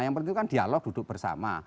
yang penting kan dialog duduk bersama